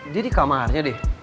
dia di kamarnya deh